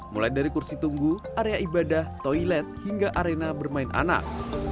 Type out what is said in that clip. mulai dari kursi tunggu area ibadah toilet hingga arena bermain anak